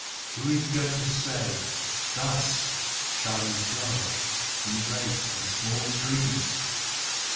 Who is going to say: THUS shall ye flow, ye great and small streams!"